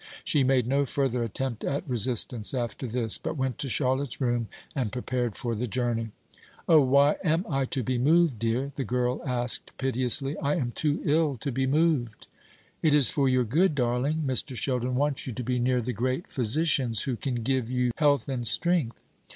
She made no further attempt at resistance after this; but went to Charlotte's room and prepared for the journey. "O, why am I to be moved, dear?" the girl asked piteously. "I am too ill to be moved." "It is for your good, darling. Mr. Sheldon wants you to be near the great physicians, who can give you health and strength."